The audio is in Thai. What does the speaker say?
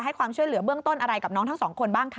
ความช่วยเหลือเบื้องต้นอะไรกับน้องทั้งสองคนบ้างคะ